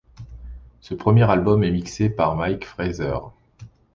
Ce premier album est mixé par Mike Fraser.